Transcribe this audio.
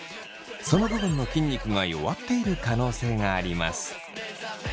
その部分の筋肉が弱っている可能性があります。